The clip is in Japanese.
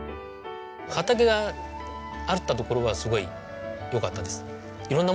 畑があったところはすごいよかったです。